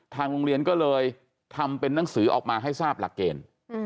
ทางโรงเรียนก็เลยทำเป็นนังสือออกมาให้ทราบหลักเกณฑ์